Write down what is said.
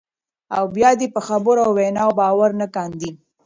او بیا دې په خبرو او ویناوو باور نه کاندي،